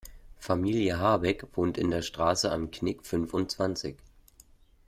Familie Habeck wohnt in der Straße Am Knick fünfundzwanzig.